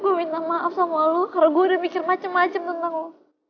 gue minta maaf sama lu kalau gue udah mikir macem macem tentang lo